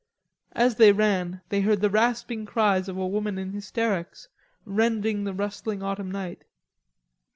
As they ran, they heard the rasping cries of a woman in hysterics, rending the rustling autumn night.